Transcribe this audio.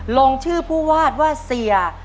ลงชื่อผู้วาดว่าเสีย